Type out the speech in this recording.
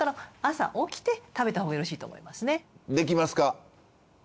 できますか？